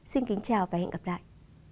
xin kính chào và hẹn gặp lại